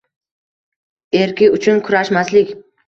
erki uchun kurashmaslik -